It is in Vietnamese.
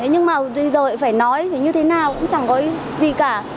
nhưng mà di rời phải nói phải như thế nào cũng chẳng có gì cả